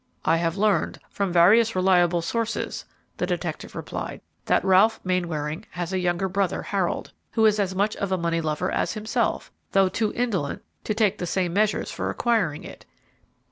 "I have learned from various reliable sources," the detective replied, "that Ralph Mainwaring has a younger brother, Harold, who is as much of a money lover as himself, though too indolent to take the same measures for acquiring it.